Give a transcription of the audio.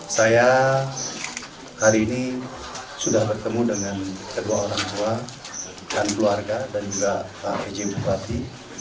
saya hari ini sudah bertemu dengan kedua orang tua dan keluarga dan juga pak pj bupati